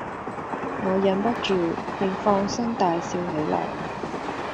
我忍不住，便放聲大笑起來，